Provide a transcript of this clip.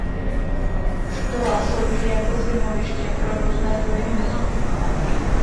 Štola slouží jako zimoviště pro různé druhy hmyzu.